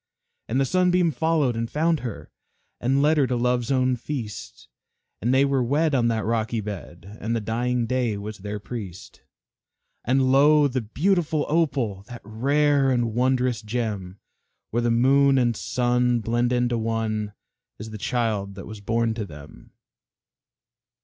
And the Sunbeam followed and found her, And led her to Love's own feast; And they were wed on that rocky bed, And the dying Day was their priest. And lo! the beautiful Opal That rare and wondrous gem Where the moon and sun blend into one, Is the child that was born to them.